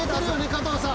加藤さん。